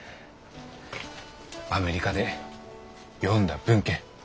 アメリカで読んだ文献。